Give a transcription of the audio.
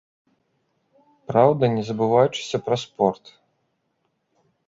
Праўда, не забываючыся пра спорт.